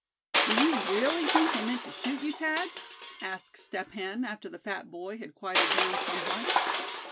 "Do you really think they meant to shoot you, Thad?" asked Step Hen, after the fat boy had quieted down somewhat.